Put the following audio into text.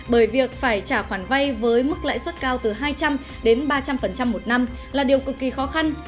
bởi việc phải trả khoản vay với mức lãi suất cao từ hai trăm linh đến ba trăm linh một năm là điều cực kỳ khó khăn